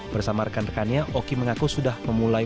bersama rekan rekannya oki mengaku sudah memulai